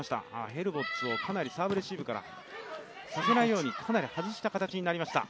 ヘルボッツをかなりサーブレシーブをさせないように外した形になりました。